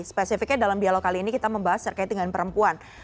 spesifiknya dalam dialog kali ini kita membahas sekatingan perempuan